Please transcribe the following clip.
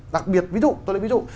đặc biệt ví dụ tôi lấy ví dụ